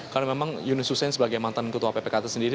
karena memang yunus hussein sebagai mantan ketua ppktk sendiri